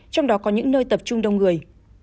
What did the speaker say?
trong đó có những nơi tập trung đông người